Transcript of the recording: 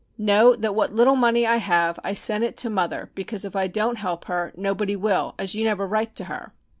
Know that what little money I have I sent it to mother, because if I don't help her nobody will, as you never write to her.